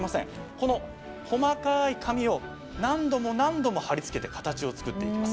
この細かい紙を何度も何度も貼り付けて形を作っていきます。